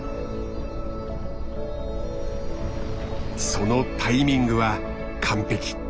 そのタイミングは完璧。